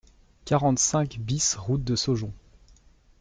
quarante-cinq BIS route de Saujon